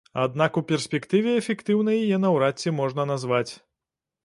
Аднак у перспектыве эфектыўнай яе наўрад ці можна назваць.